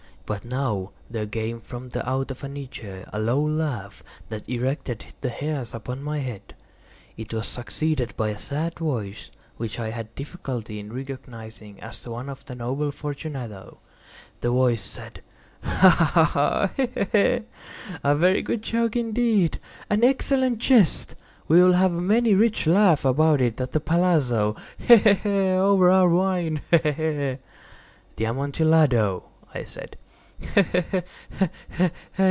But now there came from out the niche a low laugh that erected the hairs upon my head. It was succeeded by a sad voice, which I had difficulty in recognising as that of the noble Fortunato. The voice said— "Ha! ha! ha!—he! he!—a very good joke indeed—an excellent jest. We will have many a rich laugh about it at the palazzo—he! he! he!—over our wine—he! he! he!" "The Amontillado!" I said.